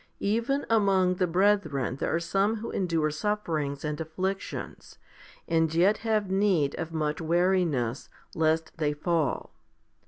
Even among the brethren there are some who endure sufferings and afflictions, and yet have need of much wariness, lest they fall.